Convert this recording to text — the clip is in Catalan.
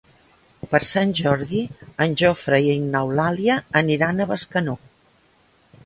Per Sant Jordi en Jofre i n'Eulàlia aniran a Bescanó.